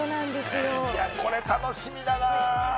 これ楽しみだな。